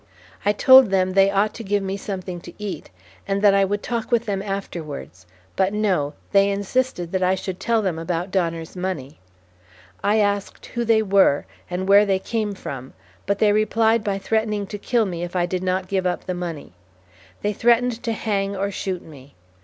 "I told them they ought to give me something to eat, and that I would talk with them afterwards; but no, they insisted that I should tell them about Donner's money. I asked who they were, and where they came from, but they replied by threatening to kill me if I did not give up the money. They threatened to hang or shoot me.